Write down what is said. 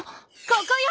ここよ！